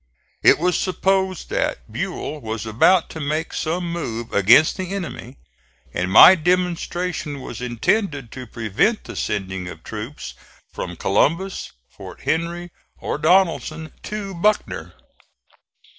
It was supposed that Buell was about to make some move against the enemy, and my demonstration was intended to prevent the sending of troops from Columbus, Fort Henry or Donelson to Buckner.